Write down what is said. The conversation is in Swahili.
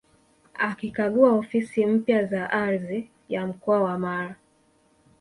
Akikagua ofisi mpya za Ardhi ya mkoa wa Mara